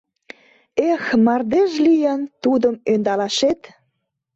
Эх, мардеж лийын, тудым ӧндалашет!